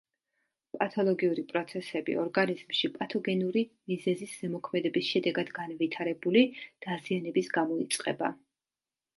პათოლოგიური პროცესები ორგანიზმში პათოგენური მიზეზის ზემოქმედების შედეგად განვითარებული დაზიანების გამო იწყება.